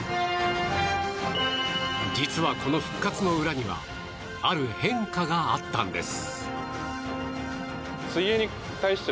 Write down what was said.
実は、この復活の裏にはある変化があったんです。